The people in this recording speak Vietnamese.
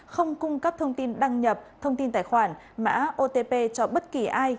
không cung cấp thông tin đăng nhập thông tin tài khoản mã otp cho bất kỳ ai